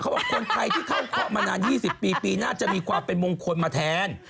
เขาว่าคนไทยที่เข้าขอมานาน๒๐ปีนาฮะจะมีความเป็นมงคตมาแทน